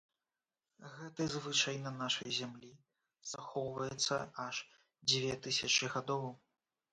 Гэты звычай на нашай зямлі захоўваецца аж дзве тысячы гадоў.